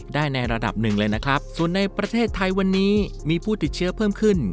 ได้ในระดับหนึ่งเลยนะครับส่วนในประเทศไทยวันนี้มีผู้ติดเชื้อเพิ่มขึ้น